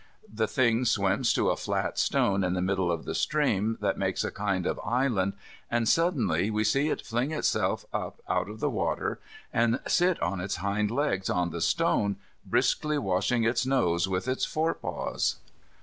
The thing swims to a flat stone in the middle of the stream that makes a kind of island, and suddenly we see it fling itself up out of the water and sit on its hindlegs on the stone, briskly washing its nose with its fore paws.